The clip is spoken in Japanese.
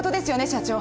社長。